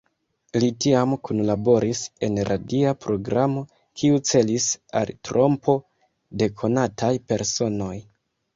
Li tiam kunlaboris en radia programo, kiu celis al trompo de konataj personoj.